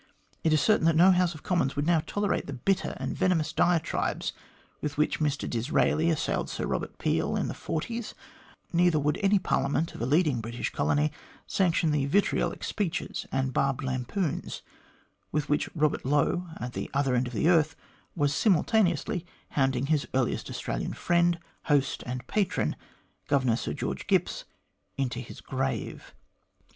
It is certain that no House of Commons would now tolerate the bitter and venomous diatribes with which Mr Disraeli assailed Sir Eobert Peel in the forties, neither would any Parliament of a leading British colony sanction the vitriolic speeches and barbed lampoons with which Eobert Lowe, at the other end of the earth, was simultaneously hounding his earliest Australian friend, host, and patron Governor Sir George Gipps into his grave.